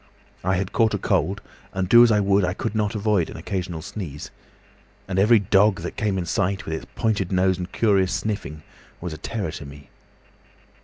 I had caught a cold, and do as I would I could not avoid an occasional sneeze. And every dog that came in sight, with its pointing nose and curious sniffing, was a terror to me.